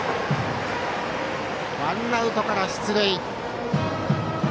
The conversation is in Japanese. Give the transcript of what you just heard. ワンアウトから出塁。